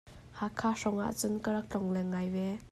Hakha hrawng ahcun ka rak tlongleng ngai ve.